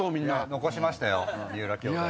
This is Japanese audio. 残しましたよ「三浦」兄弟。